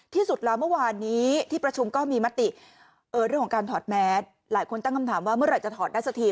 ที่สุดแล้วเมื่อวานนี้ที่ประชุมก็มีมติเรื่องของการถอดแมสหลายคนตั้งคำถามว่าเมื่อไหร่จะถอดได้สักที